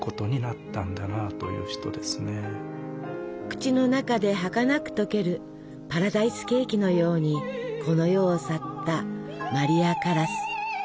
口の中ではかなく溶けるパラダイスケーキのようにこの世を去ったマリア・カラス。